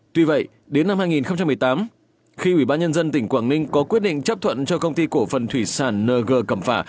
tuy vậy đến năm hai nghìn một mươi tám khi ủy ban nhân dân tỉnh quảng ninh có quyết định chấp thuận cho công ty cổ phần thủy sản ng cầm phả